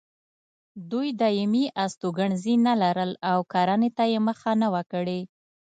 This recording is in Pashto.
دوی دایمي استوګنځي نه لرل او کرنې ته یې مخه نه وه کړې.